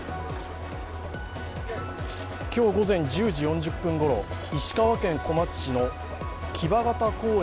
今日午前１０時４０分ごろ、石川県小松市の木場潟公園